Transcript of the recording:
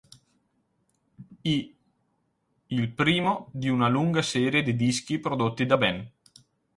I", il primo di una lunga serie di dischi prodotti da Ben.